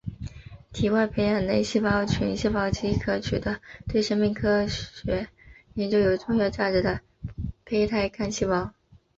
体外培养内细胞群细胞即可取得对生命科学研究有重要价值的胚胎干细胞